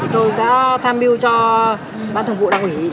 tôi đã tham biêu cho ban thống vụ đồng hỷ